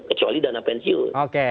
kecuali dana pensiun